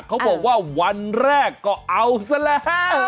เขาบอกว่าวันแรกก็เอาซะแล้ว